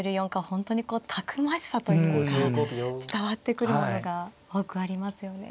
本当にこうたくましさというか伝わってくるものが多くありますよね。